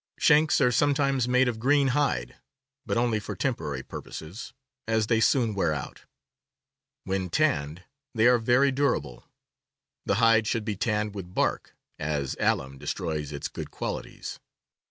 Shanks are sometimes made of green hide, but only for temporary purposes, as they soon wear out; when tanned they are very durable. The hide should be tanned with bark, as alum destroys its good qualities.